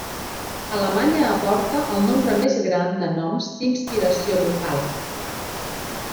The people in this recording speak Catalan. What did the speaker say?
Alemanya aporta el nombre més gran de noms d'inspiració local.